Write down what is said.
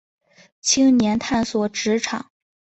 青年探索职场